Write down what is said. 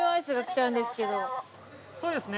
そうですね